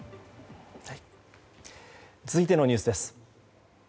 続いてのニュースです。